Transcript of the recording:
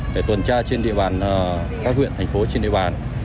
để tuần tra trên địa bàn các huyện thành phố trên địa bàn